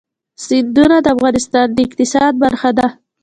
سیندونه د افغانستان د اقتصاد برخه ده.